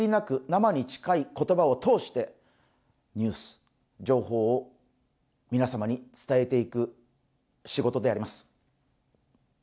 生に近い言葉を通して、ニュース、情報を皆様に伝えていく仕事であります。